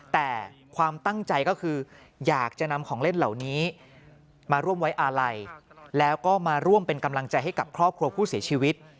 แต่ความตั้งใจก็คืออยากจะนำของเล่นเหล่านี้มาร่วมไว้อาลัยแล้วก็มาร่วมเป็นกำลังใจให้กับครอบครัวผู้เสียชีวิต